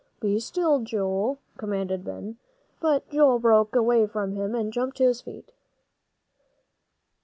"Be still, Joe," commanded Ben. But Joel broke away from him, and jumped to his feet.